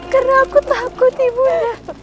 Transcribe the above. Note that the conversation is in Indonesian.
karena aku takut ibu nda